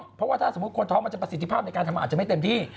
เพราะว่าถ้าจะเป็นไปสิทธิภาพในการทำอาจจะไม่เต็มที่